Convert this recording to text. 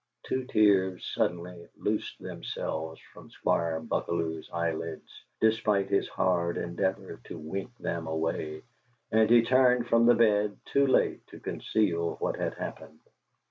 Two tears suddenly loosed themselves from Squire Buckalew's eyelids, despite his hard endeavor to wink them away, and he turned from the bed too late to conceal what had happened.